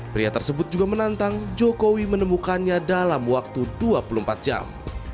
pria tersebut juga menantang jokowi menemukannya dalam waktu dua puluh empat jam